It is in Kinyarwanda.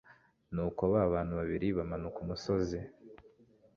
nuko ba bantu babiri bamanuka umusozi